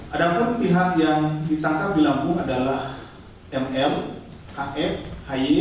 ada pun pihak yang ditangkap di lampung adalah ml af hi